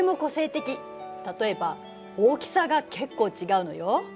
例えば大きさが結構違うのよ。